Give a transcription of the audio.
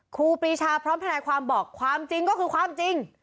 ครูปีชาพร้อมทนายความบอกความจริงก็คือความจริง